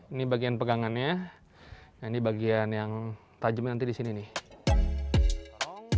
ini bagian pegangannya nah ini bagian yang tajamnya nanti di sini nih